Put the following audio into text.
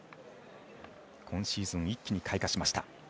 今シーズン、一気に開花しました。